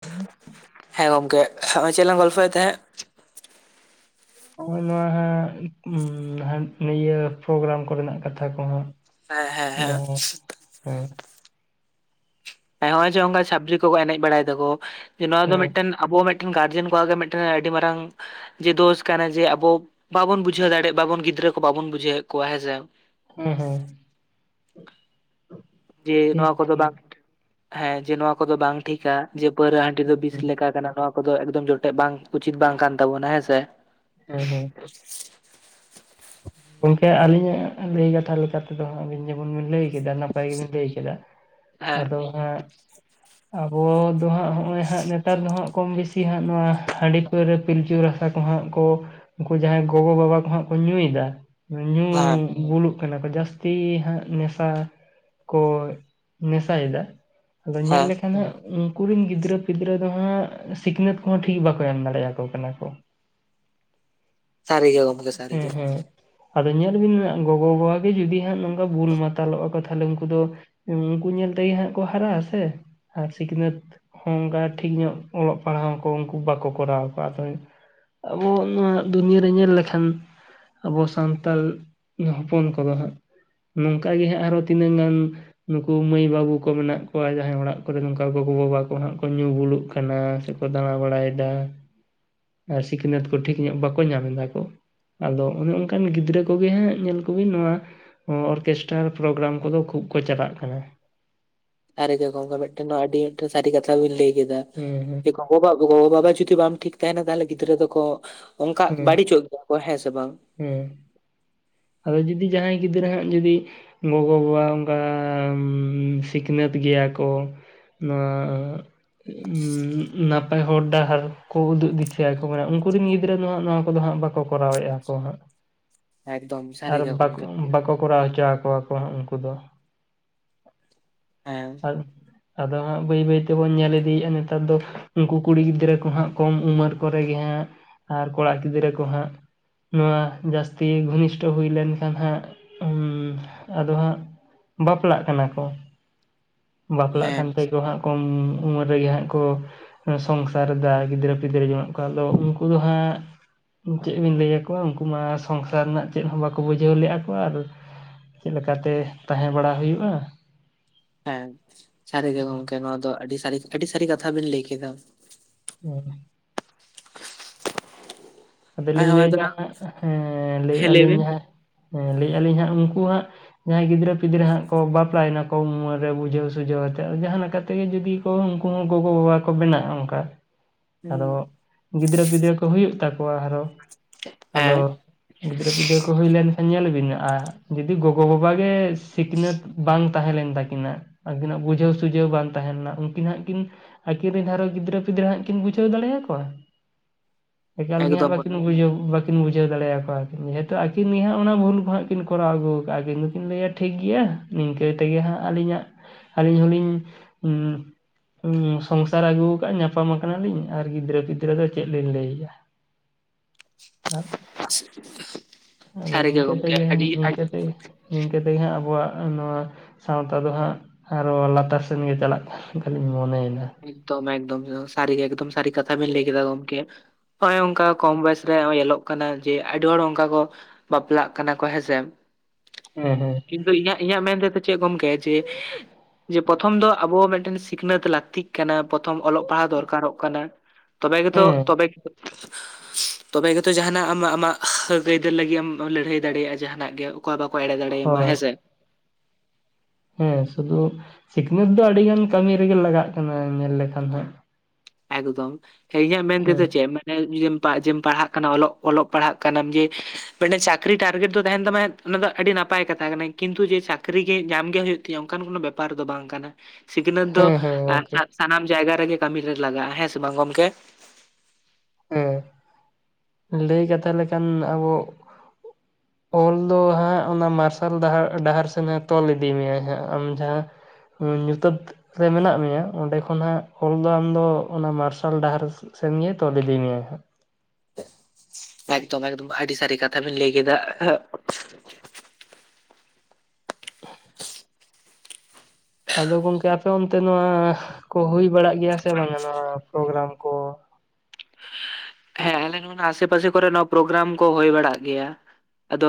Hello, ᱦᱮᱸ ᱜᱚᱝᱠᱮ ᱦᱚᱜᱼᱚᱭ ᱪᱮᱫ ᱞᱟᱝ ᱜᱚᱞᱯᱷᱚᱭᱮᱫ ᱛᱟᱦᱮᱸᱫ, [inaudible] ᱦᱚᱜᱼᱚᱭ ᱱᱚᱣᱟ ᱦᱟᱸᱜ ᱩᱸᱢ ᱦᱟᱸ ᱤᱭᱟᱹ ᱯᱨᱳᱜᱨᱟᱢ ᱠᱚᱨᱮᱱᱟᱜ ᱠᱟᱛᱷᱟ ᱠᱚ ᱦᱚᱸ, ᱦᱮᱸ ᱦᱮᱸ ᱦᱮᱸ, ᱦᱮᱸ, ᱦᱮᱸ ᱦᱚᱜᱼᱚᱭ ᱪᱚᱝ ᱚᱝᱠᱟ ᱪᱷᱟᱹᱯᱨᱤ ᱠᱚᱠᱚ ᱮᱱᱮᱜ ᱵᱟᱲᱟᱭ ᱫᱟᱠᱚ ᱡᱮ ᱱᱚᱣᱟ ᱫᱚ ᱦᱮᱸ ᱢᱤᱫᱴᱮᱱ, ᱟᱵᱚ ᱢᱤᱫᱴᱮᱱ ᱜᱟᱨᱡᱮᱱ ᱠᱚᱣᱟᱜ ᱜᱮ ᱢᱤᱫᱴᱮᱜ ᱟᱹᱰᱤ ᱢᱟᱨᱟᱝ ᱡᱮ ᱫᱚᱥ ᱠᱟᱱᱟ ᱡᱮ ᱟᱵᱚ ᱵᱟᱵᱚᱱ ᱡᱮ ᱵᱩᱡᱷᱟᱹᱣ ᱫᱟᱲᱮᱜ ᱵᱟᱵᱚᱱ ᱜᱤᱫᱽᱨᱟᱹ ᱠᱚ ᱵᱟᱵᱚᱱ ᱵᱩᱡᱷᱟᱹᱣᱮᱫ ᱠᱚᱣᱟ ᱦᱮᱸ ᱥᱮ, ᱦᱮᱸ ᱦᱮᱸ, ᱡᱮ ᱴᱷᱤᱠ ᱱᱚᱣᱟ ᱠᱚᱫᱚ ᱵᱷᱟᱞᱤ ᱵᱟᱝ ᱦᱮᱸ ᱡᱮ ᱱᱚᱣᱟ ᱠᱚᱫᱚ ᱵᱟᱝ ᱴᱷᱤᱠᱟ᱾ ᱡᱮ ᱯᱟᱹᱣᱨᱟᱹ ᱦᱟᱺᱰᱤ ᱫᱚ ᱵᱤᱥ ᱦᱩᱸ ᱞᱮᱠᱟ ᱠᱟᱱᱟ ᱱᱚᱣᱟ ᱠᱚᱫᱚ ᱮᱠᱫᱚᱢ ᱡᱚᱴᱮᱫ ᱵᱟᱝ ᱩᱪᱤᱛ ᱵᱟᱝ ᱠᱟᱱ ᱛᱟᱵᱚᱱᱟ ᱦᱮᱸ ᱥᱮ, ᱦᱮᱸ ᱦᱮᱸ, [inaudible] ᱜᱚᱝᱠᱮ ᱟᱹᱞᱤᱧᱟᱜ ᱞᱟᱹᱭ ᱠᱟᱛᱷᱟ ᱞᱮᱠᱟ ᱛᱮᱫᱚᱜ ᱦᱟᱸᱜ ᱟᱹᱵᱤᱱ ᱡᱮᱢᱚᱱ ᱵᱤᱱ ᱞᱟᱹᱭ, ᱠᱮᱫᱟ ᱱᱟᱯᱟᱭ ᱜᱮᱵᱤᱱ ᱞᱟᱹᱭ ᱠᱮᱫᱟ ᱦᱮᱸ ᱟᱫᱚ ᱦᱟᱸᱜ, ᱟᱵᱚ ᱫᱚ ᱦᱟᱸᱜ ᱦᱚᱜᱼᱚᱭ ᱦᱟᱸᱜ ᱱᱮᱛᱟᱨ ᱫᱚ ᱦᱟᱸᱜ ᱠᱚᱢ ᱵᱤᱥᱤ ᱦᱟᱸᱜ ᱱᱚᱣᱟ ᱦᱟᱺᱰᱤ ᱯᱟᱹᱣᱨᱟᱹ ᱯᱤᱞᱪᱩ ᱨᱟᱥ, ᱥᱟ ᱠᱚ ᱦᱟᱸᱜ ᱠᱚ ᱩᱝᱠᱩ ᱡᱟᱦᱟᱸᱭ ᱜᱚᱜᱚ ᱵᱟᱵᱟ ᱠᱚ ᱦᱟᱸᱜ ᱠᱚ ᱧᱩᱸᱭᱫᱟ ᱦᱮᱸ ᱧᱩᱸ, ᱵᱩᱞᱩᱜ ᱠᱟᱱᱟ ᱠᱚ ᱡᱟᱹᱥᱛᱤ ᱦᱟᱸᱜ ᱱᱮᱥᱟ, ᱠᱚ ᱱᱮᱥᱟᱭᱮᱫᱟ ᱟᱫᱚ ᱧᱮᱞ ᱦᱮᱸ ᱞᱮᱠᱷᱟᱱ ᱦᱟᱸᱜ, ᱩᱝᱠᱩ ᱨᱮᱱ ᱜᱤᱫᱽᱨᱟᱹ ᱯᱤᱫᱽᱨᱟᱹ ᱫᱚ ᱦᱟᱸᱜ ᱥᱤᱠᱷᱱᱟᱹᱛ ᱠᱚ ᱦᱚᱸ ᱴᱷᱤᱠ ᱵᱟᱠᱚ ᱮᱢ ᱫᱟᱲᱮᱭᱟᱠᱚ ᱠᱟᱱᱟ ᱠᱚ, ᱥᱟᱹᱨᱤ ᱜᱮ ᱜᱚᱢᱠᱮ ᱥᱟᱹᱨᱤ ᱦᱮᱸ ᱜᱮ ᱦᱮᱸ, ᱟᱫᱚ ᱧᱮᱞ ᱵᱤᱱ ᱱᱟᱜ ᱜᱚᱜᱚᱼᱵᱟᱵᱟ ᱜᱮ ᱡᱩᱫᱤ ᱦᱟᱸᱜ ᱱᱚᱝᱠᱟ ᱵᱩᱞ ᱢᱟᱛᱟᱞᱚᱜ-ᱟᱠᱚ ᱛᱟᱦᱚᱞᱮ ᱩᱱᱠᱩ ᱫᱚ, ᱩᱱᱠᱩ ᱧᱮᱞ ᱛᱮᱜᱮ ᱦᱟᱸᱜ ᱠᱚ ᱦᱟᱨᱟᱜᱼᱟᱥᱮ ᱟᱨ ᱥᱤᱠᱷᱱᱟᱹᱛ, ᱦᱚᱸ ᱚᱱᱠᱟ ᱴᱷᱤᱠ ᱧᱚᱜ ᱚᱞᱚᱜ ᱯᱟᱲᱦᱟᱣ ᱠᱚ ᱩᱱᱠᱩ ᱵᱟᱠᱚ ᱠᱚᱨᱟᱣ ᱟᱠᱚ ᱟᱫᱚ᱾ ᱟᱵᱚ ᱱᱚᱣᱟ ᱫᱩᱱᱤᱭᱟᱹᱨᱮ ᱧᱮᱞ ᱞᱮᱠᱷᱟᱱ, ᱟᱵᱚ ᱥᱟᱱᱛᱟᱞ ᱦᱚᱯᱚᱱ ᱠᱚᱫᱚ ᱦᱟᱸᱜ ᱱᱚᱝᱠᱟᱜᱮ ᱦᱟᱸᱜ ᱟᱨᱦᱸᱚ ᱛᱤᱱᱟᱹᱜ ᱜᱟᱱ ᱱᱩᱠᱩ ᱢᱟᱹᱭ ᱵᱟᱹᱵᱩ ᱠᱚ ᱢᱮᱱᱟᱜ ᱠᱚᱣᱟ ᱡᱟᱦᱟᱸᱭ ᱚᱲᱟᱜ ᱠᱚᱨᱮ ᱱᱚᱝᱠᱟ ᱜᱚᱜᱚ-ᱵᱟᱵᱟ ᱠᱚ ᱦᱟᱸᱜ ᱠᱚ ᱧᱩ ᱵᱩᱞᱩᱜ ᱠᱟᱱᱟ ᱥᱮ, ᱠᱚ ᱫᱟᱬᱟ ᱵᱟᱲᱟᱭᱮᱫᱟ ᱟᱨ ᱥᱤᱠᱷᱱᱟᱹᱛ ᱠᱚ ᱴᱷᱤᱠ ᱧᱚᱜ ᱵᱟᱠᱚ ᱧᱟᱢ ᱮᱫᱟ ᱠᱚ ᱟᱫᱚ, ᱚᱱᱮ ᱚᱱᱠᱟᱱ ᱜᱤᱫᱽᱨᱟᱹ ᱠᱚᱜᱮ ᱦᱟᱸᱜ, ᱧᱮᱞ ᱠᱚᱵᱤᱱ ᱱᱚᱣᱟ ᱚᱨᱠᱮᱥᱴᱟᱨ ᱯᱨᱳᱜᱨᱟᱢ ᱠᱚᱫᱚ, ᱠᱷᱩᱵ ᱠᱚ ᱪᱟᱞᱟᱜ ᱠᱟᱱᱟ ᱾ ᱟᱨᱮ ᱡᱚ ᱜᱚᱝᱠᱮ, ᱢᱤᱫᱴᱮᱱ ᱱᱚᱣᱟ ᱟᱹᱰᱤ ᱟ. ᱱᱴᱷᱟ ᱥᱟᱹᱨᱤ ᱠᱟᱛᱷᱟ ᱵᱤᱱ, ᱞᱟᱹᱭ ᱠᱮᱫᱟ ᱾ ᱦᱩᱸᱻ ᱦᱩᱸ ᱾ ᱜᱚ-ᱵᱟ ᱜᱚ-ᱵᱟᱵᱟ, ᱡᱩᱫᱤ ᱵᱟᱢ ᱴᱷᱤᱠ ᱛᱟᱦᱮᱱᱟ, ᱛᱟᱦᱚᱞᱮ ᱜᱤᱫᱽᱨᱟᱹ ᱫᱚᱠᱚ, ᱟᱻᱦ-ᱜ, ᱚᱱᱠᱟ ᱵᱟᱹᱲᱤᱡᱚᱜ ᱜᱮᱭᱟ ᱠᱚ, ᱦᱮᱸ ᱥᱮ ᱵᱟᱝ? ᱚᱮᱸᱻ ᱾ ᱟᱫᱚ, ᱡᱩᱫᱤ ᱡᱟᱦᱟᱸᱭ ᱜᱤᱫᱽᱨᱟᱹ ᱦᱟᱜ, ᱡᱩᱫᱤ ᱜᱚᱜᱚ-ᱵᱟᱵᱟ ᱚᱱᱠᱟ, ᱩᱻᱢ ᱥᱤᱠᱷᱱᱟᱹᱛ ᱜᱮᱭᱟ ᱠᱚ ᱱᱚᱣᱟᱼᱻᱟ, ᱩᱸᱻᱜ ᱾ ᱱᱟᱯᱟᱭ ᱦᱚᱨ ᱰᱟᱦᱟᱨ ᱠᱚ, ᱩᱫᱩᱜ ᱫᱤᱥᱟᱹᱣᱟᱠᱚ, ᱢᱟᱱᱮ, ᱩᱱᱠᱩ ᱨᱮᱱ ᱜᱤᱫᱽᱨᱟᱹ ᱫᱚ ᱦᱟᱸᱜ, ᱱᱚᱣᱟ ᱠᱚᱫᱚ ᱦᱟᱸᱜ, ᱵᱟᱠᱚ ᱠᱚᱨᱟᱣᱮᱫᱼᱟ ᱠᱚ, ᱦᱟᱸᱜ ᱾ ᱮᱠᱫᱚᱢ ᱾ ᱟᱨ, ᱵᱟᱠᱚ ᱵᱟᱠᱚ, ᱠᱚᱨᱟᱣ ᱦᱚᱪᱚ ᱟᱠᱚᱣᱟ ᱦᱟᱸᱜ, ᱩᱱᱠᱩ ᱫᱚ. ᱾ ᱮᱸᱻ ᱾ ᱟᱫᱚ ᱦᱟᱸᱜ, ᱵᱟᱹᱭ ᱵᱟᱹᱭ ᱛᱮᱵᱚᱱ ᱧᱮᱞ ᱤᱫᱤ ᱭᱮᱫᱟ, ᱱᱮᱛᱟᱨ ᱫᱚ, ᱩᱱᱠᱩ ᱠᱩᱲᱤ ᱜᱤᱫᱽᱨᱟᱹ ᱠᱚ ᱦᱟᱸᱜ ᱾ ᱠᱚᱢ ᱩᱢᱮᱨ ᱠᱚᱨᱮ ᱜᱮ ᱦᱟᱸᱜ, ᱟᱨ ᱠᱚᱲᱟ ᱜᱤᱫᱽᱨᱟᱹ ᱠᱚ ᱦᱟᱸᱜ ᱱᱚᱣᱟ, ᱡᱟᱹᱥᱛᱤ ᱜᱷᱚᱱᱤᱥᱴᱚ ᱦᱩᱭ ᱞᱮᱱᱠᱷᱟᱱ ᱦᱟᱸᱜ, ᱟᱫᱚ ᱦᱟᱸᱜ ᱵᱟᱯᱞᱟᱜ ᱠᱟᱱᱟ ᱠᱚ, ᱵᱟᱯᱞᱟᱜ ᱦᱮᱸ ᱠᱟᱱ ᱛᱮᱠᱚ ᱦᱟᱸᱜ ᱠᱚᱢ ᱩᱢᱮᱨ ᱨᱮᱜᱮ ᱦᱟᱸᱜ, ᱠᱚ ᱥᱚᱝᱥᱟᱨ ᱮᱫᱟ, ᱜᱤᱫᱽᱨᱟᱹ-ᱯᱤᱫᱽᱨᱟᱹ ᱡᱚᱱᱚᱜ ᱠᱟᱱᱟ ᱠᱚ, ᱟᱫᱚ, ᱩᱱᱠᱩ ᱫᱚ ᱦᱟᱸᱜ, ᱪᱮᱫ ᱵᱤᱱ ᱞᱟᱹᱭ ᱟᱠᱚᱣᱟ, ᱩᱱᱠᱩ ᱢᱟ ᱥᱚᱝᱥᱟᱨ ᱨᱮᱱᱟᱜ ᱪᱮᱫ ᱦᱚᱸ ᱵᱟᱠᱚ ᱵᱩᱡᱷᱟᱹᱣ ᱞᱮᱼᱟ ᱠᱚ, ᱟᱨ ᱪᱮᱫ ᱞᱮᱠᱟᱛᱮ ᱛᱟᱦᱮᱸ ᱵᱟᱲᱟ ᱦᱩᱭᱩᱜᱼᱟ ᱾ ᱦᱮᱸ, ᱥᱟᱹᱨᱤ ᱜᱮ ᱜᱚᱢᱠᱮ, ᱱᱚᱣᱟ ᱫᱚ, ᱟᱹᱰᱤ ᱥᱟᱹᱨᱤ, ᱟᱹᱰᱤ ᱥᱟᱹᱨᱤ ᱠᱟᱛᱷᱟ ᱵᱤᱱ, ᱞᱟᱹᱭ ᱠᱮᱫ ᱫᱚ ᱾ ᱦᱮ [inaudible] ᱟᱫᱚ ᱦᱮᱸ ᱞᱤᱧ ᱦᱳᱭ ᱞᱟᱹᱭ ᱛᱚ ᱮᱫᱟ ᱱᱟᱜ ᱦᱟᱸᱜ, ᱦᱮᱸᱻᱞᱟᱹᱭ ᱦᱮᱸ ᱮᱫᱟ ᱞᱟᱹᱭ ᱵᱤᱱ ᱞᱤᱧ ᱦᱟᱸᱜ, ᱦᱮᱸᱻᱞᱟᱹᱭ ᱮᱫᱟ ᱞᱤᱧ ᱦᱟᱸᱜ, ᱩᱱᱠᱩ ᱦᱟᱸᱜ ᱡᱟᱦᱟᱸᱭ ᱜᱤᱫᱽᱨᱟᱹ-ᱯᱤᱫᱽᱨᱟᱹ ᱦᱟᱸᱜ ᱠᱚ, ᱵᱟᱯᱞᱟ ᱭᱮᱱᱟ ᱠᱚ, ᱠᱚᱢ ᱩᱢᱮᱨ ᱨᱮ ᱵᱩᱡᱷᱟᱹᱣ ᱥᱩᱡᱷᱟᱹᱣ ᱟᱛᱮᱫ, ᱡᱟᱦᱟᱸ ᱞᱮᱠᱟ ᱛᱮᱜᱮ, ᱡᱩᱫᱤ ᱛᱚ, ᱩᱱᱠᱩ ᱦᱚᱸ ᱜᱚᱜᱚ-ᱵᱟᱵᱟ ᱠᱚ, ᱵᱮᱱᱟᱜᱼᱟ, ᱚᱱᱠᱟ ᱦᱩᱸ ᱟᱫᱚ, ᱜᱤᱫᱽᱨᱟᱹ-ᱯᱤᱫᱽᱨᱟᱹ ᱠᱚ, ᱦᱩᱭᱩᱜ ᱛᱟᱠᱚᱣᱟ ᱟᱨᱦᱚᱸ, ᱦᱮᱸ ᱟᱫᱚ ᱜᱤᱫᱽᱨᱟᱹ ᱯᱤᱫᱽᱨᱟᱹ ᱠᱚ, ᱦᱩᱭ ᱞᱮᱱᱠᱷᱟᱱ ᱧᱮᱞ ᱵᱤᱱ, ᱡᱩᱫᱤ ᱜᱚᱜᱚ-ᱵᱟᱵᱟ ᱜᱮ ᱥᱤᱠᱷᱱᱟᱹᱛ ᱵᱟᱝ ᱛᱟᱦᱮᱸ ᱞᱮᱱ ᱛᱟᱹᱠᱤᱱᱟ, ᱟᱹᱠᱤᱱᱟᱜ ᱵᱩᱡᱷᱟᱹᱣ ᱥᱩᱡᱷᱟᱹᱣ ᱵᱟᱝ ᱛᱟᱦᱮᱸ ᱞᱮᱱᱟ, ᱩᱱᱠᱤᱱ ᱦᱟᱸᱜ, ᱠᱤᱱ ᱟᱹᱠᱤᱱ ᱨᱮᱱ ᱟᱨᱦᱚᱸ, ᱜᱤᱫᱽᱨᱟᱹ ᱯᱤᱫᱽᱨᱟᱹ ᱦᱟᱸᱜ ᱠᱤᱱ, ᱵᱩᱡᱷᱟᱹᱣ ᱫᱟᱲᱮ ᱭᱟᱠᱚᱣᱟ ᱾ ᱮᱠᱟᱞ ᱜᱮ ᱦᱟᱸᱜ, ᱮᱠᱫᱚᱢ ᱵᱟᱠᱤᱱ ᱵᱩᱡᱷᱟᱹᱣ, ᱵᱟᱠ ᱠᱤᱱ ᱵᱩᱡᱷᱟᱹᱣ ᱫᱟᱲᱮ ᱭᱟᱠᱚᱣᱟ ᱠᱤᱱ, ᱡᱮᱦᱮᱛᱩ ᱟᱹᱠᱤᱱ ᱜᱮ ᱦᱟᱸᱜ, ᱚᱱᱟ ᱵᱷᱩᱞ ᱠᱚ ᱦᱟᱸᱜ, ᱠᱤᱱ ᱠᱚᱨᱟᱣ ᱟᱹᱜᱩ ᱟᱠᱟᱫᱟᱠᱤᱱ, ᱟᱠᱤᱱ ᱫᱚᱠᱤᱱ ᱞᱟᱹᱭᱼᱟ ᱴᱷᱤᱠ ᱜᱮᱭᱟ ᱾ ᱱᱤᱝᱠᱟᱹ ᱛᱮᱜᱮ ᱦᱟᱸᱜ, ᱟᱹᱞᱤᱧᱟᱜ, ᱟᱹᱞᱤᱧ ᱦᱚᱞᱤᱧ ᱦᱩᱢ ᱦᱩᱢ ᱥᱚᱝᱥᱟᱨ ᱟᱹᱜᱩ ᱟᱠᱟᱫ, ᱧᱟᱯᱟᱢ ᱟᱠᱟ ᱱᱟᱞᱤᱧ ᱟᱨ ᱜᱤᱫᱽᱨᱟᱹ ᱯᱤᱫᱽᱨᱟᱹ ᱫᱚ, ᱪᱮᱫ ᱞᱤᱧ ᱞᱟᱹᱭ ᱟᱭᱟ ᱾ ᱟᱨᱮ [inaudible] [unintelligible] ᱟᱫᱚ ᱥᱟᱹᱨᱤ ᱜᱮ ᱱᱤᱝᱠᱟᱹ ᱜᱚᱢᱠᱮ ᱛᱮᱜᱮ, ᱟᱹᱰᱤ ᱱᱤᱝᱠᱟᱹ ᱛᱮ, ᱱᱤᱝᱠᱟᱹ ᱛᱮᱜᱮ ᱦᱟᱸᱜ, ᱟᱵᱚᱣᱟᱜ ᱱᱚᱣᱟ ᱥᱟᱶᱛᱟ ᱫᱚ ᱦᱟᱸᱜ, ᱟᱨᱚ ᱞᱟᱛᱟᱨ ᱥᱮᱱ ᱜᱮ, ᱪᱟᱞᱟᱜ ᱠᱟᱱ ᱞᱮᱠᱟ ᱞᱤᱧ ᱢᱚᱱᱮ ᱭᱮᱫᱟ ᱾ ᱮᱠᱫᱚᱢ ᱮᱠᱫᱚᱢ,, ᱥᱟᱹᱨᱤ ᱜᱮ ᱮᱠᱫᱚᱢ, ᱥᱟᱹᱨᱤ ᱠᱟᱛᱷᱟ ᱵᱤᱱ ᱞᱟᱹᱭ ᱠᱮᱫᱟ ᱜᱚᱢᱠᱮ, ᱦᱚᱜᱼᱚᱸᱭ ᱚᱱᱠᱟ ᱠᱚᱢ ᱵᱚᱭᱮᱥ ᱨᱮ ᱧᱮᱞᱚᱜ ᱠᱟᱱᱟ, ᱡᱮ ᱟᱹᱰᱤ ᱦᱚᱲ ᱚᱱᱠᱟ ᱠᱚ, ᱵᱟᱯᱞᱟᱜ ᱠᱟᱱᱟ ᱠᱚ, ᱦᱮᱸᱥᱮ ᱾ ᱦᱮᱸᱻ ᱦᱮᱸ ᱾ ᱠᱤᱱᱛᱩ, ᱤᱧᱟᱹᱜ ᱢᱮᱱ ᱛᱮᱫᱚ, ᱪᱮᱫ ᱜᱚᱢᱠᱮ, ᱡᱮ ᱯᱨᱚᱛᱷᱚᱢ ᱫᱚ ᱟᱵᱚᱣᱟᱜ, ᱢᱤᱫᱴᱮᱱ ᱥᱤᱠᱷᱱᱟᱹᱛ ᱞᱟᱹᱠᱛᱤᱜ ᱠᱟᱱᱟ ᱾ ᱯᱨᱚᱛᱷᱚᱢ ᱚᱞᱚᱜ ᱯᱟᱲᱦᱟᱣ ᱫᱚᱨᱠᱟᱨᱚᱜ ᱠᱟᱱᱟ ᱾ ᱛᱚᱵᱮ ᱜᱮ ᱛᱚ, ᱦᱮᱸ ᱛᱚᱵᱮ ᱜᱮ [inaudible] ᱛᱚᱵᱮ ᱜᱮ ᱛᱚ ᱡᱟᱦᱟᱸ ᱱᱟᱜ ᱟᱢ ᱟᱢᱟᱜ ᱟᱹᱭᱫᱟᱹᱨ ᱞᱟᱹᱜᱤᱫ ᱮᱢ ᱞᱟᱹᱲᱦᱟᱹᱭ ᱫᱟᱲᱮᱭᱟᱜ-ᱟ ᱡᱟᱦᱟᱸ ᱱᱟᱜ ᱜᱮ ᱚᱠᱚᱭ ᱦᱚᱸ ᱵᱟᱠᱚ ᱮᱲᱮ ᱫᱟᱲᱮᱭᱟᱢ ᱢᱟ ᱦᱳᱭ ᱦᱮᱸ ᱥᱮ ᱦᱮᱸ ᱥᱩᱫᱩ ᱥᱤᱠᱷᱱᱟᱹᱛ ᱫᱚ ᱟᱹᱰᱤ ᱜᱟᱱ ᱠᱟᱹᱢᱤ ᱨᱮ ᱜᱮ ᱞᱟᱜᱟᱜ ᱠᱟᱱᱟ ᱧᱮᱞ ᱞᱮᱠᱷᱟᱱ ᱦᱟᱸᱜ, ᱮᱠᱫᱚᱢ ᱠᱤ ᱤᱧᱟᱜ ᱢᱮᱱ ᱛᱮ ᱦᱮᱸ ᱫᱚ ᱪᱮᱫ? ᱡᱮᱢ ᱯᱟᱲᱦᱟᱜ ᱠᱟᱱᱟ ᱚᱞᱚᱜ ᱯᱟᱲᱦᱟᱜ ᱠᱟᱱᱟᱢ ᱡᱮ ᱢᱤᱫᱴᱮᱱ ᱪᱟᱹᱠᱨᱤ ᱴᱟᱨᱜᱮᱴ ᱫᱚ ᱛᱟᱦᱮᱱ ᱛᱟᱢᱟ ᱚᱱᱟ ᱫᱚ ᱟᱹᱰᱤ ᱱᱟᱯᱟᱭ ᱠᱟᱛᱷᱟ ᱠᱟᱱᱟ ᱠᱤᱱᱛᱩ ᱡᱮ ᱪᱟᱹᱠᱨᱤ ᱜᱮ ᱧᱟᱢ ᱜᱮ ᱦᱩᱭᱩᱜ ᱛᱤᱧᱟᱹ ᱚᱱᱠᱟᱱ ᱠᱚᱱᱚ ᱵᱮᱯᱟᱨ ᱫᱚ ᱵᱟᱝ ᱠᱟᱱᱟ᱾ ᱥᱤᱠᱷᱱᱟᱹᱛ ᱫᱚ ᱦᱮᱸ ᱦᱮᱸ ᱜᱚᱝᱠᱮ ᱥᱟᱱᱟᱢ ᱡᱟᱭᱜᱟ ᱨᱮ ᱜᱮ ᱠᱟᱹᱢᱤ ᱨᱮ ᱞᱟᱜᱟᱜ-ᱟ ᱦᱮᱸ ᱥᱮ ᱵᱟᱝ ᱜᱚᱢᱠᱮ ᱦᱮᱸ ᱞᱟᱹᱭ ᱠᱟᱛᱷᱟ ᱞᱮ ᱠᱷᱟᱱ ᱟᱵᱚ ᱚᱞ ᱫᱚ ᱦᱟᱸᱜ ᱚᱱᱟ ᱢᱟᱨᱥᱟᱞ ᱰᱟᱦᱟᱨ ᱰᱟᱦᱟᱨ ᱥᱮᱱᱮ ᱛᱚᱞ ᱤᱫᱤ ᱢᱮᱭᱟᱭ ᱦᱟᱸᱜ ᱟᱢ ᱡᱟᱦᱟᱸ ᱧᱩᱛᱟᱹᱛ ᱨᱮ ᱢᱮᱱᱟᱜ ᱢᱮᱭᱟ, ᱚᱸᱰᱮ ᱠᱷᱚᱱᱟᱜ ᱚᱞ ᱫᱚ ᱟᱢ ᱫᱚ ᱚᱱᱟ ᱢᱟᱨᱥᱟᱞ ᱰᱟᱦᱟᱨ ᱥᱮᱱ ᱜᱮ ᱛᱚᱞ ᱤᱫᱤ ᱢᱮᱭᱟ ᱱᱟᱦᱟᱜ [inaudible] ᱮᱠᱫᱚᱢ ᱮᱠᱫᱚᱢ ᱟᱹᱰᱤ ᱥᱟᱹᱨᱤ ᱠᱟᱛᱷᱟ ᱵᱤᱱ ᱞᱟᱹᱭ ᱠᱮᱫᱟ [inaudible] ᱟᱫᱚ ᱜᱚᱝᱠᱮ ᱟᱯᱮ ᱚᱱᱛᱮ ᱱᱚᱣᱟ ᱠᱚ ᱦᱩᱭ ᱵᱟᱲᱟᱜ ᱜᱮᱭᱟ ᱥᱮ ᱵᱟᱝᱟ ᱱᱚᱣᱟ ᱯᱨᱚᱜᱨᱟᱢ ᱠᱚ ᱦᱮᱸ ᱟᱞᱮ ᱱᱚᱜᱼᱱᱚᱣᱟ ᱟᱥᱮ-ᱯᱟᱥᱮ ᱠᱚ ᱨᱮ ᱱᱚᱣᱟ ᱯᱨᱚᱜᱨᱟᱢ ᱠᱚ ᱦᱩᱭ ᱵᱟᱲᱟᱜ ᱜᱮᱭᱟ ᱟᱫᱚ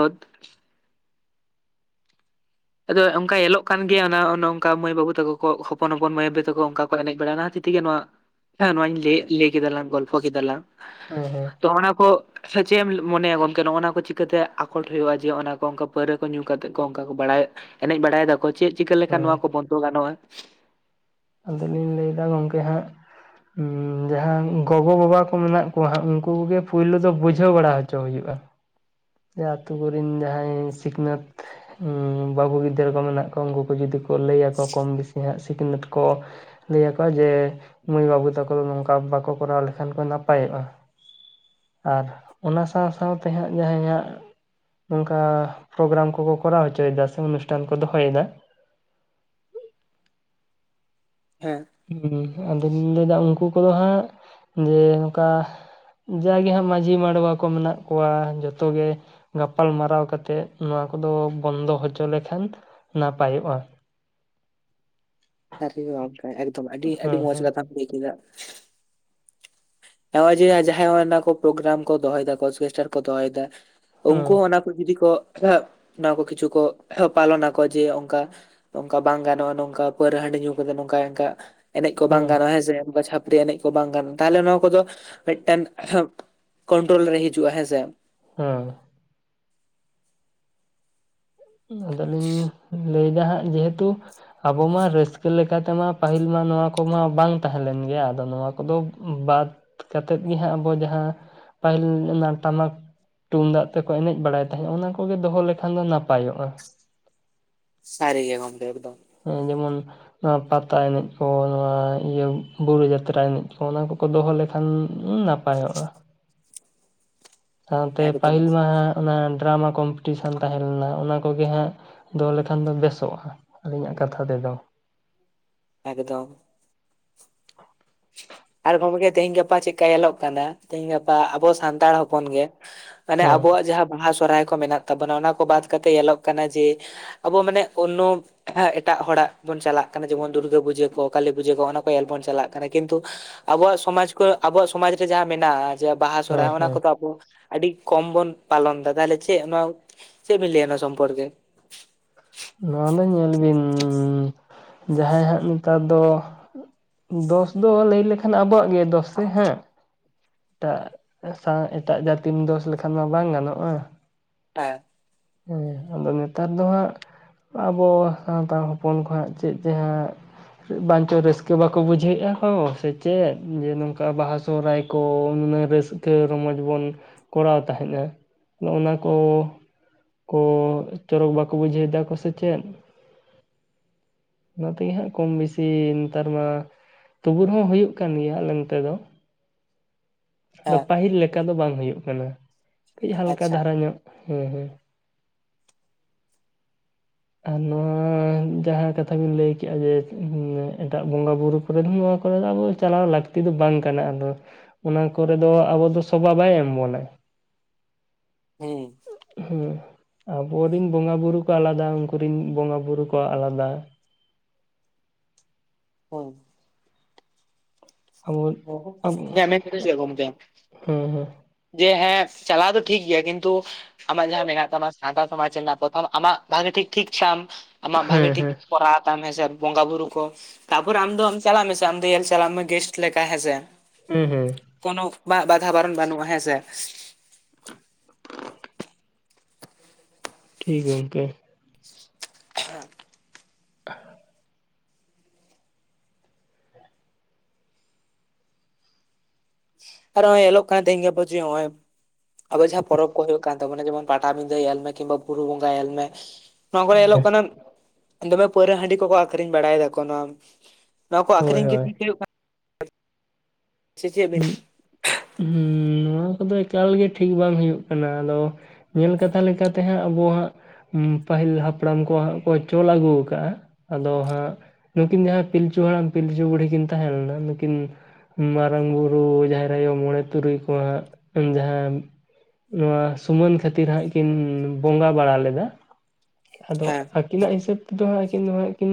ᱟᱫᱚ ᱚᱱᱠᱟ ᱧᱮᱞᱚᱜ ᱠᱟᱱ ᱜᱮᱭᱟ ᱚᱱᱮ ᱚᱱᱠᱟ ᱢᱟᱹᱭ ᱵᱟᱹᱵᱩ ᱛᱟᱠᱚ ᱠᱚ ᱦᱚᱯᱚᱱ ᱦᱚᱯᱚᱱ ᱢᱟᱹᱭ-ᱵᱟᱹᱵᱩ ᱛᱮ ᱠᱚ ᱚᱱᱠᱟ ᱮᱱᱮᱡ ᱵᱟᱲᱟ ᱮᱱᱟ ᱚᱱᱟ ᱦᱚᱛᱮᱡ ᱛᱮ ᱜᱮ ᱱᱚᱣᱟ ᱦᱮᱸ ᱱᱚᱣᱟᱹᱧ ᱞᱟᱹᱭ ᱠᱮᱫᱟ ᱞᱟᱝ ᱜᱚᱞᱯᱷᱚ ᱠᱮᱫᱟ ᱞᱟᱝ ᱦᱮᱸ ᱦᱮᱸ [inaudible] ᱛᱚ ᱚᱱᱟ ᱠᱚ ᱥᱮ ᱪᱮᱫ ᱮᱢ ᱢᱚᱱᱮᱭᱟ ᱜᱚᱢᱠᱮ ᱱᱚᱜ-ᱱᱚᱣᱟ ᱠᱚ ᱪᱤᱠᱟᱹ ᱛᱮ ᱟᱠᱚᱴ ᱦᱩᱭᱩᱜ-ᱟ ᱡᱮ ᱚᱱᱟ ᱠᱚ ᱚᱱᱠᱟ ᱯᱟᱹᱣᱨᱟᱹ ᱠᱚ ᱧᱩ ᱠᱟᱛᱮᱫ ᱠᱚ ᱚᱱᱠᱟ ᱠᱚ ᱵᱟᱲᱟᱭ ᱮᱱᱮᱡ ᱵᱟᱲᱟᱭ ᱮᱫᱟ ᱠᱚ ᱪᱮᱫ ᱪᱤᱠᱟᱹ ᱞᱮᱠᱷᱟᱱ ᱦᱮᱸ ᱱᱚᱣᱟ ᱠᱚ ᱵᱚᱱ ᱫᱚ ᱜᱟᱱᱚᱜ-ᱟ᱾ ᱟᱫᱚ ᱞᱤᱧ ᱞᱟᱹᱭ ᱮᱫᱟ ᱜᱚᱢᱠᱮ ᱦᱟᱸᱜ ᱡᱟᱦᱟᱸ ᱜᱳᱜᱳ-ᱵᱟᱵᱟ ᱠᱚ ᱢᱮᱱᱟᱜ ᱠᱚᱣᱟ ᱦᱟᱸᱜ ᱩᱱᱠᱩ ᱜᱮ ᱯᱩᱭᱞᱩ ᱫᱚ ᱵᱩᱡᱷᱟᱹᱣ ᱵᱟᱲᱟ ᱦᱚᱪᱚ ᱦᱚᱪᱚ ᱦᱩᱭᱩᱜ-ᱟ, ᱡᱮ ᱟᱛᱳ ᱠᱚᱨᱤᱱ ᱡᱟᱦᱟᱸᱭ ᱥᱤᱠᱷᱱᱟᱹᱛ ᱵᱟᱹᱵᱩ ᱜᱤᱫᱽᱨᱟᱹ ᱠᱚ ᱢᱮᱱᱟᱜ ᱠᱚᱣᱟ ᱩᱱᱠᱩ ᱠᱚ ᱡᱩᱫᱤ ᱠᱚ ᱞᱟᱹᱭ ᱟᱠᱚᱣᱟ ᱠᱚᱢ ᱵᱮᱥᱤ ᱦᱟᱸᱜ ᱥᱤᱠᱷᱱᱟᱹᱛ ᱠᱚ ᱞᱟᱹᱭ ᱟᱠᱚᱣᱟ ᱡᱮ ᱢᱟᱹᱭ ᱵᱟᱹᱵᱩ ᱛᱟᱠᱚ ᱫᱚ ᱱᱚᱝᱠᱟ ᱵᱟᱠᱚ ᱠᱚᱨᱟᱣ ᱞᱮᱠᱷᱟᱱ ᱠᱚ ᱱᱟᱯᱟᱭᱚᱜ-ᱟ᱾ ᱟᱨ ᱚᱱᱟ ᱥᱟᱶ ᱥᱟᱶ ᱛᱮ ᱦᱟᱸᱜ ᱡᱟᱦᱟᱭᱟᱜ ᱱᱚᱝᱠᱟ ᱯᱨᱚᱜᱨᱟᱢ ᱠᱚ ᱠᱚ ᱠᱚᱨᱟᱣ ᱦᱚᱪᱚ ᱮᱫᱟ ᱥᱮ ᱚᱱᱩᱥᱴᱷᱟᱱ ᱠᱚ ᱫᱚᱦᱚ ᱮᱫᱟ ᱦᱮᱸ ᱦᱮᱸ ᱟᱫᱚᱹᱧ ᱞᱟᱹᱭ ᱮᱫᱟ ᱩᱱᱠᱩ ᱠᱚ ᱫᱚ ᱦᱟᱸᱜ ᱡᱮ ᱱᱚᱝᱠᱟ ᱡᱟᱜᱮ ᱦᱟᱸᱜ ᱢᱟᱺᱡᱷᱤ ᱢᱟᱰᱣᱟ ᱠᱚ ᱢᱮᱱᱟᱜ ᱠᱚᱣᱟ ᱡᱚᱛᱚ ᱜᱮ ᱜᱟᱯᱟᱞᱢᱟᱨᱟᱣ ᱠᱟᱛᱮᱫ ᱱᱚᱣᱟ ᱠᱚ ᱫᱚ ᱵᱚᱱᱫᱚ ᱦᱚᱪᱚ ᱞᱮᱠᱷᱟᱱ ᱱᱟᱯᱟᱭᱚᱜ-ᱟ᱾ ᱮᱠᱫᱚᱢ ᱥᱟᱹᱨᱤ ᱜᱮ ᱜᱚᱢᱠᱮ ᱮᱠᱫᱚᱢ ᱟᱹᱰᱤ ᱟᱹᱰᱤ ᱦᱮᱸ ᱢᱚᱸᱡᱽ ᱦᱮᱸ ᱠᱟᱛᱷᱟᱢ ᱞᱟᱹᱭ ᱠᱮᱫᱟ᱾ ᱦᱮᱣᱟᱡᱽ ᱡᱟᱦᱟᱸᱭ ᱚᱱᱟ ᱠᱚ ᱯᱨᱚᱜᱨᱟᱢ ᱠᱚ ᱫᱚᱦᱚ ᱮᱫᱟ ᱠᱚ ᱚᱨᱠᱮᱥᱴᱟᱨ ᱠᱚ ᱫᱚᱦᱚ ᱮᱫᱟ ᱦᱮᱸ ᱩᱱᱠᱩ ᱦᱚᱸ ᱚᱱᱟ ᱡᱩᱫᱤ ᱠᱚ ᱚᱱᱟ ᱠᱚ ᱠᱤᱪᱷᱩ ᱠᱚ ᱯᱟᱞᱚᱱᱟᱠᱚ ᱡᱮ ᱚᱱᱠᱟ ᱱᱚᱝᱠᱟ ᱵᱟᱝ ᱜᱟᱱᱚᱜ-ᱟ ᱱᱚᱝᱠᱟ ᱯᱟᱹᱣᱨᱟᱹ ᱦᱟᱹᱰᱤ ᱧᱩ ᱠᱟᱛᱮ ᱱᱚᱝᱠᱟ ᱚᱱᱠᱟ ᱮᱱᱮᱡ ᱠᱚ ᱵᱟᱝ ᱜᱟᱱᱚᱜ-ᱟ ᱦᱮᱸ ᱥᱮ ᱚᱱᱠᱟ ᱪᱷᱟᱹᱯᱨᱤ ᱮᱱᱮᱡ ᱠᱚ ᱵᱟᱝ ᱜᱟᱱᱚᱜ-ᱟ ᱛᱟᱦᱚᱞᱮ ᱱᱚᱣᱟ ᱠᱚ ᱫᱚ ᱢᱤᱫᱴᱮᱱ ᱠᱚᱱᱴᱨᱚᱞ ᱨᱮ ᱦᱤᱡᱩᱜ-ᱟ ᱦᱮᱸ ᱥᱮ ᱦᱮᱸ ᱟᱫᱚ ᱞᱤᱧ ᱞᱟᱹᱭ ᱮᱫᱟ ᱦᱟᱸᱜ ᱡᱮ ᱦᱮᱛᱩ ᱟᱵᱚ ᱢᱟ ᱨᱟᱹᱥᱠᱟᱹ ᱞᱮᱠᱟ ᱛᱮᱢᱟ ᱯᱟᱹᱦᱤᱞ ᱢᱟ ᱱᱚᱣᱟ ᱠᱚᱢᱟ ᱵᱟᱝ ᱛᱟᱦᱮᱸ ᱞᱮᱱ ᱜᱮᱭᱟ ᱟᱫᱚ ᱱᱚᱣᱟ ᱠᱚ ᱫᱚ ᱵᱟᱫ ᱠᱟᱛᱮᱫ ᱜᱮ ᱦᱟᱸᱜ ᱟᱵᱚ ᱡᱟᱦᱟᱸ ᱯᱟᱹᱦᱤᱞ ᱚᱱᱟ ᱴᱟᱢᱟᱠ ᱛᱩᱢᱫᱟᱜ ᱛᱮ ᱠᱚ ᱮᱱᱮᱡ ᱵᱟᱲᱟᱭ ᱛᱟᱦᱮᱸᱫ ᱚᱱᱟ ᱠᱚ ᱜᱮ ᱫᱚᱦᱚ ᱞᱮᱠᱷᱟᱱ ᱫᱚ ᱱᱟᱯᱟᱭᱚᱜ-ᱟ᱾ ᱥᱟᱹᱨᱤ ᱜᱮ ᱜᱚᱢᱠᱮ ᱮᱠᱫᱚᱢ ᱡᱮᱢᱚᱱ ᱱᱚᱣᱟ ᱯᱟᱛᱟ ᱮᱱᱮᱡ ᱠᱚ ᱱᱚᱣᱟ ᱤᱭᱟᱹ ᱵᱩᱨᱩ ᱡᱟᱛᱨᱟ ᱮᱱᱮᱡ ᱠᱚ ᱚᱱᱟ ᱠᱚ ᱠᱚ ᱫᱚᱦᱚ ᱞᱮ ᱠᱷᱟᱱ ᱱᱟᱯᱟᱭᱚᱜᱼᱟ᱾ ᱥᱟᱶᱛᱮ ᱮᱠᱫᱚᱢ ᱯᱟᱹᱦᱤᱞ ᱢᱟ ᱦᱟᱸᱜ ᱚᱱᱟ ᱰᱨᱟᱢᱟ ᱠᱚᱢᱯᱤᱴᱤᱥᱮᱱ ᱛᱟᱦᱮᱸ ᱞᱮᱱᱟ ᱚᱱᱟ ᱠᱚ ᱜᱮ ᱦᱟᱸᱜ ᱫᱚᱦᱚ ᱞᱮᱠᱷᱟᱱ ᱫᱚ ᱵᱮᱥᱚᱜᱼᱟ ᱟᱹᱞᱤᱧᱟᱜ ᱠᱟᱛᱷᱟ ᱛᱮᱫᱚ᱾ ᱮᱠᱫᱚᱢ ᱟᱨ ᱜᱚᱝᱠᱮ ᱛᱮᱦᱤᱧ ᱜᱟᱯᱟ ᱪᱮᱫᱠᱟ ᱧᱮᱞᱚᱜ ᱠᱟᱱᱟ ᱛᱮᱦᱤᱧ ᱜᱟᱯᱟ ᱟᱵᱚ ᱥᱟᱱᱛᱟᱲ ᱦᱚᱯᱚᱱ ᱜᱮ ᱢᱟᱱᱮ ᱦᱮᱸ ᱟᱵᱚᱣᱟᱜ ᱡᱟᱦᱟᱸ ᱵᱟᱦᱟ ᱥᱚᱨᱦᱟᱭ ᱠᱚ ᱢᱮᱱᱟᱜ ᱛᱟᱵᱚᱱᱟ ᱚᱱᱟ ᱠᱚ ᱵᱟᱫ ᱠᱟᱛᱮ ᱧᱮᱞᱚᱜ ᱠᱟᱱᱟ ᱡᱮ ᱟᱵᱚ ᱢᱟᱱᱮ ᱚᱱᱳ ᱮᱴᱟᱜ ᱦᱚᱲᱟᱜ ᱵᱚᱱ ᱪᱟᱞᱟᱜ ᱠᱟᱱᱟ ᱡᱮᱢᱚᱱ ᱫᱩᱨᱜᱟᱹ ᱯᱩᱡᱟᱹ ᱠᱚ ᱠᱟᱹᱞᱤ ᱯᱩᱡᱟᱹ ᱠᱚ ᱚᱱᱟ ᱠᱚ ᱧᱮᱞᱵᱚᱱ ᱪᱟᱞᱟᱜ ᱠᱤᱱᱛᱩ ᱟᱵᱚᱣᱟᱜ ᱥᱚᱢᱟᱡ ᱠᱚ ᱟᱵᱚᱣᱟᱜ ᱥᱚᱢᱟᱡᱽ ᱨᱮ ᱡᱟᱦᱟᱸ ᱢᱮᱱᱟᱜᱼᱟ ᱡᱮ ᱵᱟᱦᱟ ᱦᱮᱸ ᱥᱚᱨᱦᱟᱭ ᱚᱱᱟ ᱦᱮᱸ ᱠᱚᱫᱚ ᱟᱵᱚ ᱟᱹᱰᱤ ᱠᱚᱢ ᱵᱚᱱ ᱯᱟᱞᱚᱱ ᱮᱫᱟ ᱛᱟᱦᱚᱞᱮ ᱪᱮᱫ ᱱᱚᱣᱟ ᱪᱮᱫ ᱵᱤᱱ ᱞᱮᱭᱟ ᱱᱚᱱᱟ ᱥᱚᱢᱯᱚᱨᱠᱮ? ᱱᱚᱣᱟ ᱫᱚ ᱧᱮᱞ ᱵᱤᱱ ᱡᱟᱦᱟᱸᱭ ᱦᱟᱸᱜ ᱱᱮᱛᱟᱨ ᱫᱚ ᱫᱚᱥ ᱫᱚ ᱞᱟᱹᱭ ᱞᱮᱠᱷᱟᱱ ᱟᱵᱚᱣᱟᱜ ᱜᱮ ᱫᱚᱥ ᱥᱮ ᱦᱮᱸ ᱮᱴᱟᱜ ᱥᱟᱶ ᱮᱴᱟᱜ ᱡᱟᱹᱛᱤᱢ ᱫᱚᱥ ᱞᱮᱠᱷᱟᱱ ᱢᱟ ᱵᱟᱝ ᱜᱟᱱᱚᱜᱼᱟ᱾ [inaudible] ᱦᱮᱸ ᱟᱫᱚ ᱱᱮᱛᱟᱨ ᱫᱚ ᱦᱟᱸᱜ ᱟᱵᱚ ᱥᱟᱱᱛᱟᱲ ᱦᱚᱯᱚᱱ ᱠᱚᱣᱟᱜ ᱪᱮᱫ ᱡᱮᱦᱟᱸᱜ ᱵᱟᱝᱧᱪᱚ ᱨᱟᱹᱥᱠᱟᱹ ᱵᱟᱠᱚ ᱵᱩᱡᱷᱟᱹᱣᱮᱫᱼᱟ ᱠᱚ ᱥᱮ ᱪᱮᱫ ᱡᱮ ᱱᱚᱝᱠᱟ ᱵᱟᱦᱟ ᱥᱚᱦᱨᱟᱭ ᱠᱚ ᱱᱩᱱᱟᱹᱜ ᱨᱟᱹᱥ ᱨᱠᱟᱹ ᱨᱚᱢᱚᱡᱽ ᱵᱚᱱ ᱠᱚᱨᱟᱣ ᱛᱟᱦᱮᱸᱫ ᱟ᱾ ᱱᱚᱜ ᱱᱚᱣᱟ ᱠᱚ ᱠᱚ ᱪᱚᱨᱚᱠ ᱵᱟᱠᱚ ᱵᱩᱡᱷᱟᱹᱣ ᱫᱟᱠᱚ ᱥᱮ ᱪᱮᱫ ᱚᱱᱟ ᱛᱮᱜᱮ ᱦᱟᱸᱜ ᱠᱚᱢ ᱵᱮᱥᱤ ᱱᱮᱛᱟᱨ ᱢᱟ᱾ ᱛᱩᱵᱩ ᱨᱚᱦᱚᱸ ᱦᱩᱭᱩᱜ ᱠᱟᱱ ᱜᱮᱭᱟ ᱟᱞᱮ ᱱᱚᱛᱮ ᱫᱚ᱾ ᱟᱫᱚ ᱦᱮᱸ ᱯᱟᱹᱦᱤᱞ ᱞᱮᱠᱟ ᱫᱚ ᱵᱟᱝ ᱦᱩᱭᱩᱜ ᱠᱟᱱᱟ ᱠᱟᱹᱡ ᱦᱟᱞᱠᱟ ᱟᱪᱪᱷᱟ ᱫᱷᱟᱨᱟ ᱧᱚᱜ ᱦᱮᱸ ᱦᱮᱸ ᱟᱨ ᱱᱚᱣᱟ ᱡᱟᱦᱟᱸ ᱠᱟᱛᱷᱟ ᱵᱤᱱ ᱞᱟᱹᱭ ᱠᱮᱜᱼᱟ ᱡᱮ ᱮᱴᱟᱜ ᱵᱚᱸᱜᱟ ᱵᱩᱨᱩ ᱵᱟᱠᱤ ᱱᱚᱣᱟ ᱠᱚᱨᱮ ᱫᱚ ᱟᱵᱚ ᱪᱟᱞᱟᱣ ᱞᱟᱹᱠᱛᱤ ᱫᱚ ᱵᱟᱝ ᱠᱟᱱᱟ ᱟᱫᱚ ᱚᱱᱟ ᱠᱚᱨᱮ ᱫᱚ ᱟᱵᱚ ᱫᱚ ᱥᱚᱵᱷᱟ ᱵᱟᱭ ᱮᱢ ᱵᱚᱱᱟ᱾ ᱦᱩᱸ ᱦᱩᱸ ᱟᱵᱚᱨᱤᱱ ᱵᱚᱸᱜᱟ ᱵᱩᱨᱩ ᱠᱚ ᱟᱞᱟᱫᱟ᱾ ᱩᱱᱠᱩ ᱨᱤᱱ ᱵᱚᱸᱜᱟ ᱵᱩᱨᱩ ᱠᱚ ᱟᱞᱟᱫᱟ᱾ ᱦᱚᱭᱸ ᱟᱵᱚ ᱤᱧᱟᱜ ᱢᱮᱱ ᱠᱟᱛᱷᱟ ᱪᱮᱫ ᱜᱚᱢᱠᱮ [unintelligible] ᱦᱩᱸ ᱦᱩᱸ ᱡᱮ ᱦᱮᱸ ᱪᱟᱞᱟᱣ ᱫᱚ ᱴᱷᱤᱠ ᱜᱮᱭᱟ ᱠᱤᱱᱛᱩ ᱟᱢᱟᱜ ᱡᱟᱦᱟᱸ ᱢᱮᱱᱟᱜ ᱛᱟᱢᱟ ᱥᱟᱶᱛᱟ ᱥᱚᱢᱟᱡᱽ ᱨᱮᱱᱟᱜ ᱯᱨᱚᱛᱷᱚᱢ ᱟᱢᱟᱜ ᱵᱷᱟᱜᱮ ᱴᱷᱤᱠ ᱴᱷᱤᱠ ᱛᱟᱢ ᱟᱢᱟᱜ ᱵᱷᱟᱜᱮ ᱦᱮᱸ ᱴᱷᱤᱠ ᱦᱮᱸ ᱠᱚᱨᱟ ᱛᱟᱢ ᱦᱮᱸ ᱥᱮ ᱵᱚᱸᱜᱟ ᱵᱩᱨᱩ ᱠᱚ ᱛᱟᱯᱚᱨ ᱟᱢ ᱫᱚ ᱟᱢ ᱪᱟᱞᱟᱜ ᱢᱮᱥᱮ ᱟᱢ ᱧᱮᱞ ᱪᱟᱞᱟᱜ ᱢᱮ ᱜᱮᱥᱴ ᱞᱮᱠᱟ ᱦᱮᱸ ᱥᱮ᱾ ᱦᱩᱸ ᱦᱩᱸ ᱠᱚᱱᱚ ᱵᱟ ᱵᱟᱫᱷᱟ ᱵᱟᱨᱚᱱ ᱵᱟᱹᱱᱩᱜᱼᱟ ᱦᱮᱸ ᱥᱮ᱾ ᱴᱷᱤᱠ ᱜᱮ ᱜᱚᱝᱠᱮ [inaudible] [inaudible] ᱟᱨ ᱦᱚᱸᱭ ᱧᱮᱞᱚᱜ ᱠᱟᱱᱟ ᱛᱮᱦᱮᱧ ᱜᱟᱯᱟ ᱡᱮ ᱦᱚᱸᱜᱚᱭ ᱟᱵᱚ ᱡᱟᱦᱟᱸ ᱯᱚᱨᱚᱵᱽ ᱦᱩᱭᱩᱜ ᱠᱟᱱ ᱛᱟᱵᱚᱱᱟ ᱡᱮᱢᱚᱱ ᱯᱟᱴᱟᱵᱤᱸᱫᱟᱹ ᱧᱮᱞ ᱢᱮ ᱠᱤᱱᱵᱟ ᱵᱩᱨᱩ ᱵᱚᱸᱜᱟ ᱧᱮᱞ ᱢᱮ᱾ ᱱᱚᱣᱟ ᱠᱚᱨᱮ ᱧᱮᱞᱚᱜ ᱠᱟᱱᱟ ᱫᱚᱢᱮ ᱯᱟᱹᱣᱨᱟᱹ ᱦᱟᱺᱰᱤ ᱠᱚᱠᱚ ᱟᱠᱷᱨᱤᱧ ᱵᱟᱲᱟᱭ ᱫᱟᱠᱚ ᱱᱚᱣᱟ ᱱᱚᱣᱟ ᱠᱚ ᱦᱳᱭ ᱟᱠᱷᱨᱤᱧ ᱜᱮ ᱦᱳᱭ ᱴᱷᱤᱠ ᱦᱩᱭᱩᱜ ᱠᱟᱱᱟ? ᱥᱮ ᱪᱮᱫ ᱵᱤᱱ ᱦᱩᱸ ᱦᱩᱸᱻ ᱱᱚᱣᱟ ᱠᱚᱫᱚ ᱮᱠᱟᱞᱜᱮ ᱴᱷᱤᱠ ᱵᱟᱝ ᱦᱩᱭᱩᱜ ᱠᱟᱱᱟ ᱟᱫᱚ ᱢᱮᱱ ᱠᱟᱛᱷᱟ ᱞᱮᱠᱟᱛᱮ ᱦᱟᱸᱜ ᱟᱵᱚ ᱦᱟᱸᱜ ᱦᱩᱸ ᱯᱟᱹᱦᱤᱞ ᱦᱟᱯᱲᱟᱢ ᱠᱚ ᱦᱟᱸᱜ ᱠᱚ ᱪᱚᱞ ᱟᱹᱜᱩ ᱟᱠᱟᱫᱼᱟ ᱟᱫᱚ ᱦᱟᱸᱜ, ᱱᱩᱠᱤᱱ ᱡᱟᱦᱟᱸ ᱯᱤᱞᱪᱩ ᱦᱟᱲᱟᱢ ᱯᱤᱞᱪᱩ ᱵᱩᱲᱦᱤ ᱠᱤᱱ ᱛᱟᱦᱮᱸ ᱞᱮᱱᱟ ᱱᱩᱠᱤᱱ ᱢᱟᱨ ᱢᱟᱨᱟᱝ ᱵᱩᱨᱩ ᱡᱟᱦᱮᱨ ᱟᱭᱳ ᱢᱚᱬᱮ ᱛᱩᱨᱩᱭ ᱠᱚ ᱦᱟᱸᱜ ᱡᱟᱦᱟᱸ ᱱᱚᱣᱟ ᱥᱩᱢᱟᱹᱱ ᱠᱷᱟᱹᱛᱤᱨ ᱦᱟᱸᱜ ᱠᱤᱱ ᱵᱚᱸᱜᱟ ᱵᱟᱲᱟ ᱞᱮᱫᱟ ᱟᱫᱚ, ᱦᱮᱸ ᱟᱹᱠᱤᱱᱟᱜ ᱦᱤᱥᱟᱹᱵ ᱛᱮᱫᱚ ᱦᱟᱸᱜ ᱟᱠᱤᱱ ᱱᱚᱣᱟᱠᱤᱱ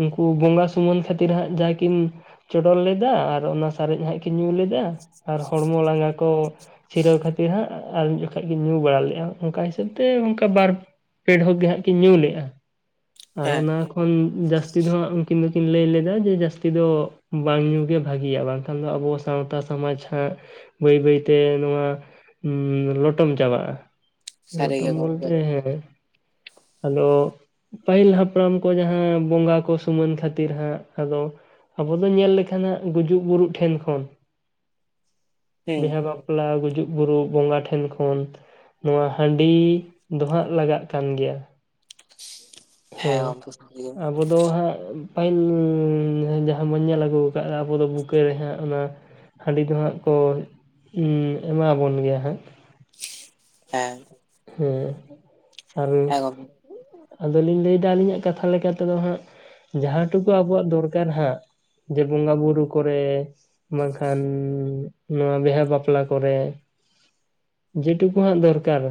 ᱩᱱᱠᱩ ᱵᱚᱸᱜᱟ ᱥᱩᱢᱟᱹᱱ ᱠᱷᱟᱹᱛᱤᱨ ᱦᱟᱸᱜ ᱡᱟ ᱠᱤᱱ ᱪᱚᱰᱚᱨ ᱞᱮᱫᱟ ᱟᱨ ᱚᱱᱟ ᱥᱟᱨᱮᱡ ᱦᱟᱸᱜ ᱠᱤᱱ ᱧᱩ ᱞᱮᱫᱟ ᱟᱨ ᱦᱚᱲᱢᱚ ᱞᱟᱸᱜᱟ ᱠᱚ, ᱥᱤᱨᱟᱹᱣ ᱠᱷᱟᱹᱛᱤᱨ ᱦᱟᱸᱜ ᱟᱨ ᱢᱤᱫ ᱡᱚᱠᱷᱟᱡ ᱠᱤᱱ ᱧᱩ ᱵᱟᱲᱟ ᱞᱮᱫᱼᱟ ᱚᱱᱠᱟ ᱦᱤᱥᱟᱹᱵ ᱛᱮ ᱚᱱᱠᱟ ᱵᱟᱨ ᱯᱮ ᱰᱷᱚᱠ ᱜᱮ ᱦᱟᱸᱜ ᱠᱤᱱ ᱧᱩ ᱞᱮᱜᱼᱟ ᱟᱨ ᱦᱮᱸ ᱚᱱᱟ ᱩᱱ ᱡᱟᱹᱥᱛᱤ ᱫᱚ ᱦᱟᱸᱜ ᱩᱱᱠᱤᱱ ᱫᱚᱠᱤᱱ ᱞᱟᱹᱭ ᱞᱮᱫᱟ ᱡᱮ ᱡᱟᱹᱥᱛᱤ ᱫᱚ ᱵᱟᱝ ᱧᱩ ᱜᱮ ᱵᱷᱟᱜᱮᱤᱭᱟ ᱵᱟᱝᱠᱷᱟᱱ ᱫᱚ ᱟᱵᱚ, ᱥᱟᱸᱶᱛᱟ ᱥᱚᱢᱟᱡ ᱦᱟᱸᱜ, ᱵᱟᱹᱭ ᱵᱟᱹᱭᱛᱮ ᱱᱚᱣᱟ ᱞᱚᱴᱚᱢ ᱪᱟᱵᱟᱜᱼᱟ᱾ ᱥᱟᱹᱨᱤ ᱜᱮ ᱱᱚᱛᱚᱢ ᱜᱚᱢᱠᱮ ᱵᱚᱞᱛᱮ ᱦᱮᱸ ᱟᱫᱚ, ᱯᱟᱹᱦᱤᱞ ᱦᱟᱯᱲᱟᱢ ᱠᱚ ᱡᱟᱦᱟᱸ ᱵᱚᱸᱜᱟ ᱠᱚ ᱥᱩᱢᱟᱹᱱ ᱠᱷᱟᱹᱛᱤᱨ ᱦᱟᱸᱜ ᱟᱫᱚ, ᱟᱵᱚ ᱫᱚ ᱧᱮᱞ ᱞᱮᱠᱷᱟᱱ ᱦᱟᱸᱜ ᱜᱩᱡᱩᱜ ᱵᱩᱨᱩᱜ ᱴᱷᱮᱱ ᱠᱷᱚᱱ, ᱦᱩᱸ ᱵᱮᱦᱟ ᱵᱟᱯ ᱵᱟᱯᱞᱟ ᱜᱩᱡᱩᱜ ᱵᱩᱨᱩᱜ ᱵᱚᱸᱜᱟ ᱴᱷᱮᱱ ᱠᱷᱚᱱ᱾ ᱱᱚᱣᱟ ᱦᱟᱺᱰᱤ ᱫᱚ ᱦᱟᱸᱜ ᱞᱟᱜᱟᱜ ᱠᱟᱱ ᱜᱮᱭᱟ᱾ ᱦᱮᱸ, ᱜᱚᱢᱠᱮ ᱥᱟᱹᱨᱤ ᱜᱮ ᱟᱵᱚ ᱫᱚ ᱦᱟᱸᱜ ᱯᱟᱹᱦᱤᱞ ᱡᱟᱦᱟᱸ ᱵᱚᱱ ᱧᱮᱞ ᱟᱹᱜᱩ ᱠᱟᱜ-ᱟ ᱟᱵᱚ ᱫᱚ ᱵᱩᱠᱟᱹ ᱨᱮ ᱦᱟᱸᱜ ᱚᱱᱟ ᱦᱟᱺᱰᱤ ᱫᱚ ᱦᱟᱸᱜ ᱠᱚ ᱮᱢᱟᱵᱚᱱ ᱜᱮᱭᱟ ᱦᱟᱸᱜ᱾ ᱦᱮᱸ, ᱦᱩᱸ ᱟᱨ ᱦᱮᱸ ᱜᱚᱢᱠᱮ ᱟᱫᱚᱞᱤᱧ ᱞᱟᱹᱭᱫᱟ ᱟᱹᱞᱤᱧᱟᱜ ᱠᱟᱛᱷᱟ ᱞᱮᱠᱟᱛᱮᱫᱚ ᱦᱟᱸᱜ ᱡᱟᱦᱟᱸ ᱴᱩᱠᱩ ᱟᱵᱚᱣᱟᱜ ᱫᱚᱨᱠᱟᱨ ᱦᱟᱸᱜ? ᱡᱮ ᱵᱚᱸᱜᱟ ᱵᱩᱨᱩ ᱠᱚᱨᱮ, ᱵᱟᱝᱠᱷᱟᱱ ᱱᱚᱣᱟ ᱵᱤᱦᱟᱹ ᱵᱟᱯᱞᱟ ᱠᱚᱨᱮ, ᱡᱮᱴᱩᱠᱩ ᱦᱟᱸᱜ ᱫᱚᱨᱠᱟᱨ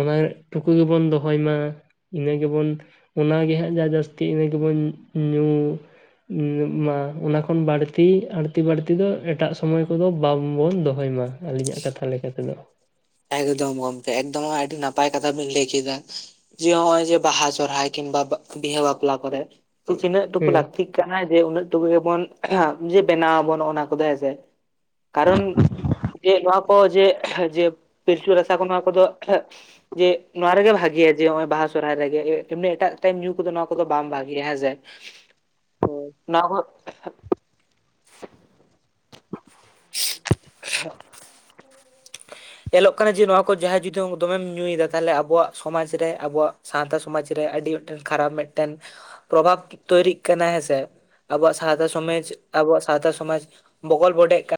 ᱚᱱᱟ ᱴᱩᱠᱩ ᱜᱮᱵᱚᱱ ᱫᱚᱦᱚᱭ ᱢᱟ᱾ ᱤᱱᱟᱹ ᱜᱮᱵᱚᱱ ᱚᱱᱟᱜᱮ ᱦᱟᱸᱜ ᱡᱟᱦᱟᱸ ᱡᱟᱹᱥᱛᱤ ᱤᱱᱟᱹ ᱜᱮᱵᱚᱱ ᱧᱩ ᱢᱟ ᱚᱱᱟ ᱠᱷᱚᱱ ᱵᱟᱹᱲᱛᱤ ᱟᱹᱲᱛᱤ ᱵᱟᱹᱲᱛᱤ ᱫᱚ ᱮᱴᱟᱜ ᱥᱚᱢᱚᱭ ᱠᱚᱫᱚ ᱵᱟᱝᱵᱚᱱ ᱫᱚᱦᱚᱭ ᱢᱟ᱾ ᱟᱹᱞᱤᱧᱟᱜ ᱠᱟᱛᱷᱟ ᱞᱮᱠᱟᱛᱮ ᱫᱚ᱾ ᱮᱠᱫᱚᱢ ᱜᱚᱢᱠᱮ ᱮᱠᱫᱚᱢ ᱟᱹᱰᱤ ᱱᱟᱯᱟᱭ ᱠᱟᱛᱷᱟ ᱵᱤᱱ ᱞᱟᱹᱭ ᱠᱮᱫᱟ᱾ ᱡᱮ ᱦᱚᱸᱜᱼᱚᱭ ᱡᱮ ᱵᱟᱦᱟ ᱥᱚᱨᱦᱟᱭ ᱠᱤᱢᱵᱟ ᱵᱤᱦᱟᱹ ᱵᱟᱯᱞᱟ ᱠᱚᱨᱮ᱾ ᱛᱤᱱᱟᱹᱜ ᱴᱩᱠᱩ ᱦᱮᱸ ᱞᱟᱹᱠᱛᱤᱜ ᱠᱟᱱᱟ ᱡᱮ ᱩᱱᱟᱹᱜ ᱴᱩᱠᱩ ᱜᱮᱵᱚᱱ ᱡᱮ ᱵᱮᱱᱟ ᱟᱵᱚᱱ ᱚᱱᱟ ᱠᱚᱫᱚ ᱦᱮᱸᱥᱮ? ᱠᱟᱨᱚᱱ ᱡᱮ ᱱᱚᱣᱟ ᱠᱚ ᱡᱮ ᱡᱮ ᱯᱤᱞᱪᱩ ᱨᱟᱥᱟ ᱠᱚ ᱱᱚᱣᱟ ᱠᱚᱫᱚ, ᱡᱮ ᱱᱚᱣᱟ ᱨᱮᱜᱮ ᱵᱷᱟᱜᱮᱭᱟ ᱡᱮ ᱱᱚᱜ ᱚᱭ ᱵᱟᱦᱟ ᱥᱚᱨᱦᱟᱭ ᱨᱮᱜᱮ ᱮᱢᱱᱤ ᱮᱴᱟᱜ ᱴᱟᱭᱤᱢ ᱧᱩ ᱠᱚᱫᱚ ᱱᱚᱣᱟ ᱠᱚᱫᱚ ᱵᱟᱝ ᱵᱷᱟᱜᱮᱭᱟ ᱦᱮᱸᱥᱮ? ᱦᱳᱭ᱾ ᱱᱚᱣᱟ ᱠᱚ, [unintelligible] ᱧᱮᱞᱚᱜ ᱠᱟᱱᱟ ᱡᱮ ᱱᱚᱣᱟ ᱠᱚ ᱡᱟᱦᱟᱸᱭ ᱡᱩᱫᱤ ᱫᱚᱢᱮᱢ ᱧᱩᱭᱮᱫᱟ ᱛᱟᱦᱚᱞᱮ ᱟᱵᱚᱣᱟᱜ ᱥᱚᱢᱟᱡᱽ ᱨᱮ ᱟᱵᱚᱣᱟᱜ, ᱥᱟᱸᱶᱛᱟ ᱥᱚᱢᱟᱡᱽ ᱨᱮ ᱟᱹᱰᱤ ᱢᱤᱫᱴᱟᱝ ᱠᱷᱟᱨᱟᱯ ᱢᱤᱫᱴᱮᱱ? ᱯᱨᱚᱵᱷᱟᱵᱽ ᱛᱚᱭᱨᱤᱜ ᱠᱟᱱᱟ ᱦᱮᱸᱥᱮ ᱟᱵᱚᱣᱟᱜ ᱥᱟᱶᱛᱟ ᱥᱚᱢᱟᱡᱽ ᱟᱵᱚᱣᱟᱜ ᱥᱟᱶᱛᱟ ᱥᱚᱢᱟᱡᱽ, ᱵᱚᱜᱚᱞ ᱵᱚᱰᱮᱜ ᱠᱟ